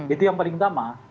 itu yang paling utama